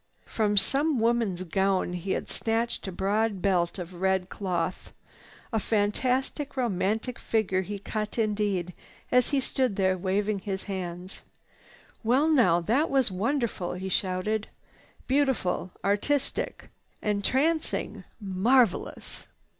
From some woman's gown he had snatched a broad belt of red cloth. A fantastic, romantic figure he cut indeed as he stood there waving his hands. "Well now, that was wonderful!" he shouted. "Beautiful! Artistic! Entrancing! Marvelous!